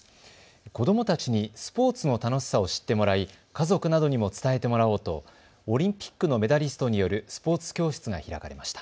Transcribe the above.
子どもたちにスポーツの楽しさを知ってもらい家族などにも伝えてもらおうとオリンピックのメダリストによるスポーツ教室が開かれました。